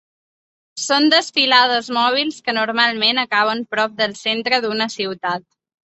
Són desfilades mòbils que normalment acaben prop del centre d'una ciutat.